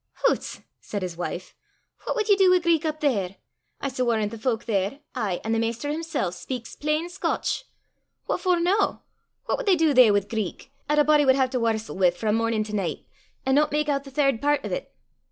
"Hoots!" said his wife, "what wad ye du wi' Greek up there! I s' warran' the fowk there, ay, an' the maister himsel', speyks plain Scotch! What for no! What wad they du there wi' Greek, 'at a body wad hae to warstle wi' frae mornin' to nicht, an' no mak oot the third pairt o' 't!"